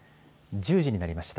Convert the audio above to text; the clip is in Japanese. １０時になりました。